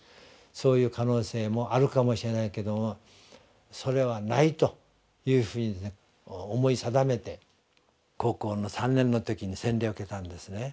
そういう可能性もあるかもしれないけどもそれはないというふうに思い定めて高校の３年の時に洗礼を受けたんですね。